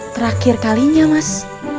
terakhir kalinya mas